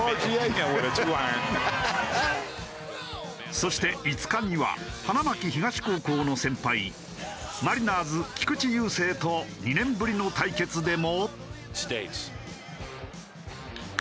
そして５日には花巻東高校の先輩マリナーズ菊池雄星と２年ぶりの対決でも。